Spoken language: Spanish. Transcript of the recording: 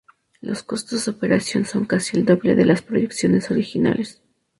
Los costos de operación son casi el doble de las proyecciones originales.